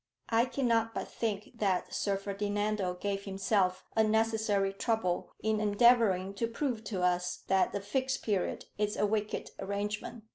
"I cannot but think that Sir Ferdinando gave himself unnecessary trouble in endeavouring to prove to us that the Fixed Period is a wicked arrangement.